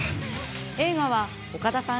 映画は岡田さん